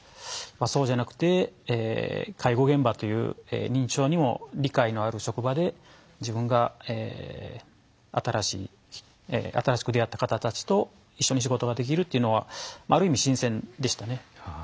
そうじゃなくて介護現場という認知症にも理解のある職場で自分が新しく出会った方たちと一緒に仕事ができるというのはある意味新鮮でしたね。